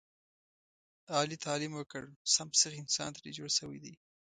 علي تعلیم وکړ سم سیخ انسان ترې جوړ شوی دی.